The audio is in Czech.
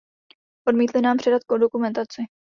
Odmítli nám předat dokumentaci.